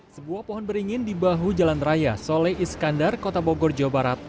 sebuah pohon beringin di bahu jalan raya soleh iskandar kota bogor jawa barat